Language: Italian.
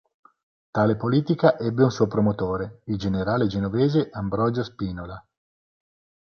Tale politica ebbe un suo promotore: il generale genovese Ambrogio Spinola.